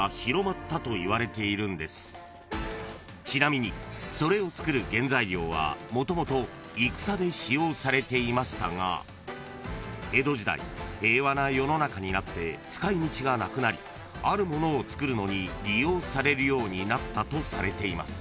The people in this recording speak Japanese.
［ちなみにそれを作る原材料はもともと戦で使用されていましたが江戸時代平和な世の中になって使い道がなくなりあるものを作るのに利用されるようになったとされています］